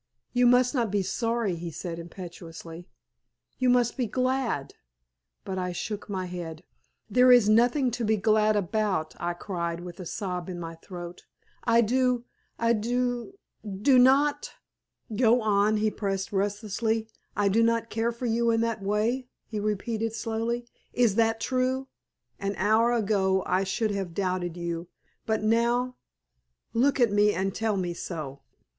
"You must not be sorry," he said, impetuously; "you must be glad." But I shook my head. "There is nothing to be glad about," I cried, with a sob in my throat. "I do I do not " "Go on!" he pressed, relentlessly. "I do not care for you in that way," he repeated slowly. "Is that true? An hour ago I should have doubted you. But now look at me and tell me so."